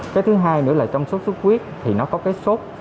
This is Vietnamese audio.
cái thứ hai nữa là trong sốt sốt huyết thì nó có cái sốt